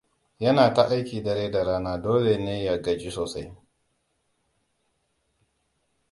Yana ta aiki dare da rana, dole ne ya gaji sosai.